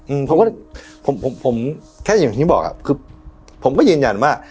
อืมผมก็ผมผมแค่อย่างที่บอกอ่ะคือผมก็ยืนยันว่า